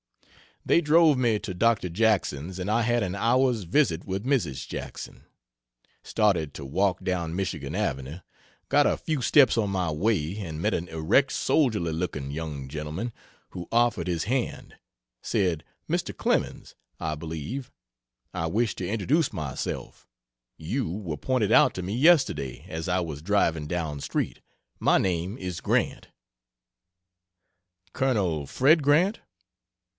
They drove me to Dr. Jackson's and I had an hour's visit with Mrs. Jackson. Started to walk down Michigan Avenue, got a few steps on my way and met an erect, soldierly looking young gentleman who offered his hand; said, "Mr. Clemens, I believe I wish to introduce myself you were pointed out to me yesterday as I was driving down street my name is Grant." "Col. Fred Grant?"